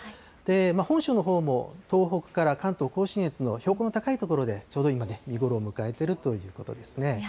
本州のほうも東北から関東甲信越の標高の高い所で、ちょうど今、見頃を迎えているということですね。